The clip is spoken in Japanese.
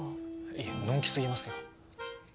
いやのんきすぎますよ。